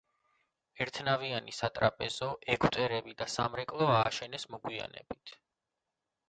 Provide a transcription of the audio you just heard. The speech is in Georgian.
ერთნავიანი სატრაპეზო, ეგვტერები და სამრეკლო ააშენეს მოგვიანებით.